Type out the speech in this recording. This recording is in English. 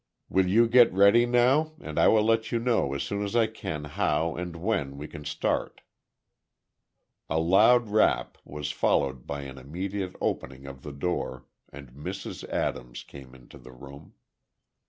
Will you get ready now, and I will let you know as soon as I can, how and when we can start." A loud rap was followed by an immediate opening of the door, and Mrs. Adams came into the room.